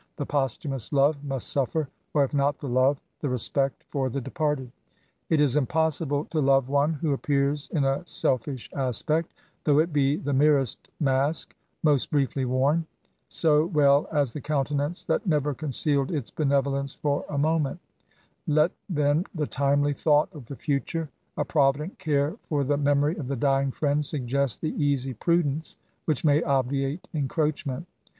The posthumous love must suffer ;— or if not the love, the respect for the departed. It is impossible to love one who appears in a selfish aspect, — though it be the merest mask, most briefly worn, — so well as the countenance that never concealed its benevolence for a moment Let then the timely thought of the ftiture, — a provident care for the memory of the dying Mend, suggest the easy prudence which may obviate encroachment.